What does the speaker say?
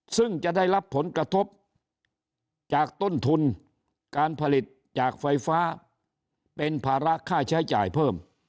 ซึ่งจะได้รับผลกระทบจากต้นทุนการผลิตจากไฟฟ้าเป็นภาระค่าใช้จ่ายเพิ่ม